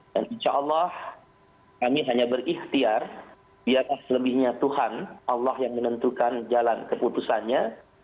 dan insya allah kami hanya berikhtiar biar selebihnya tuhan allah yang menentukan jalan keputusannya